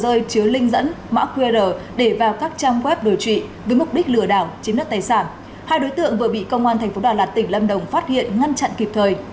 đối tượng đã đưa linh dẫn mã qr để vào các trang web đối trị với mục đích lừa đảo chiếm đoạt tài sản hai đối tượng vừa bị công an tp đà lạt tỉnh lâm đồng phát hiện ngăn chặn kịp thời